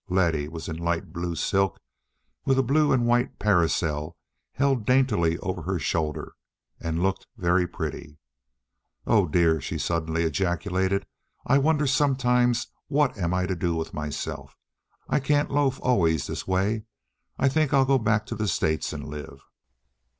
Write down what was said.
Letty was in light blue silk, with a blue and white parasol held daintily over her shoulder, and looked very pretty. "Oh, dear!" she suddenly ejaculated, "I wonder sometimes what I am to do with myself. I can't loaf always this way. I think I'll go back to the States to live."